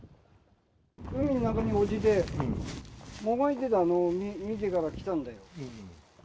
海の中に落ちて、もがいていたのを見てから来たんだよ。